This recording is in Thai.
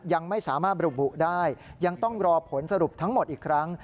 ยังไม่สามารถระบุได้ยังต้องรอผลสรุปทั้งหมดอีกครั้ง